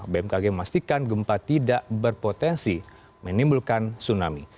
bmkg memastikan gempa tidak berpotensi menimbulkan tsunami